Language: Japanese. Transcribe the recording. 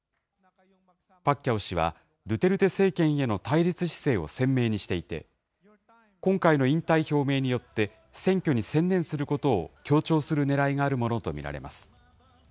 パッキャオ氏は、ドゥテルテ政権への対立姿勢を鮮明にしていて、今回の引退表明によって、選挙に専念することを強調するねらいがあるものと見られます。